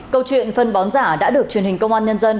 câu chuyện phân bón giả đã được truyền hình công an nhân dân